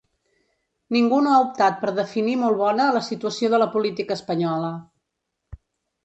Ningú no ha optat per definir molt bona la situació de la política espanyola.